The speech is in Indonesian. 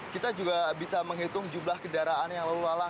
kita juga bisa menghitung jumlah kendaraan yang lalu lalang